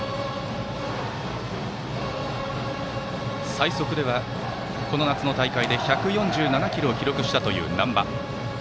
最速ではこの夏の大会で１４７キロを記録したという難波。